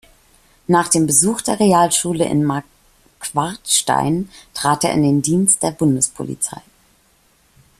Nach dem Besuch der Realschule in Marquartstein trat er in den Dienst der Bundespolizei.